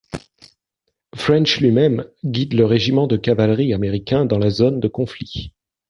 French lui-même guide le Régiment de Cavalerie américain dans la zone de conflit.